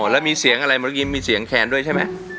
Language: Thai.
แล้วมีเสียงอะไรเมื่อกี้มีเสียงแคนด้วยใช่ไหม